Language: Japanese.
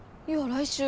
来週。